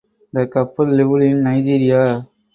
The couple lived in Nigeria.